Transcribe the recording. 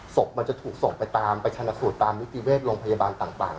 ศพมันจะถูกส่งไปตามไปชนะสูตรตามนิติเวชโรงพยาบาลต่าง